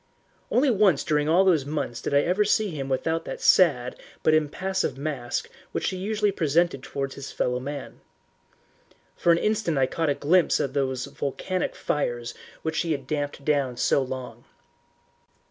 Only once during all those months did I ever see him without that sad but impassive mask which he usually presented towards his fellow man. For an instant I caught a glimpse of those volcanic fires which he had damped down so long.